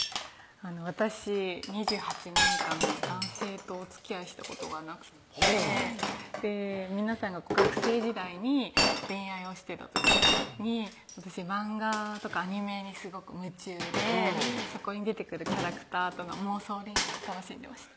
私２８年間男性とおつきあいしたことがなくって皆さんが学生時代に恋愛をしてた時に私マンガとかアニメにすごく夢中でそこに出てくるキャラクターとの妄想恋愛を楽しんでました